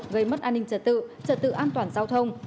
gây mất an ninh trật tự trật tự an toàn giao thông